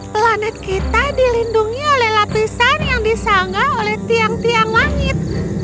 planet kita dilindungi oleh lapisan yang disanggah oleh tiang tiang langit